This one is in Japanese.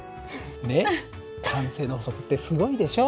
ねっ慣性の法則ってすごいでしょ。